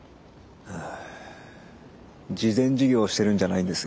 ああ慈善事業してるんじゃないんですよ。